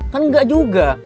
kan enggak juga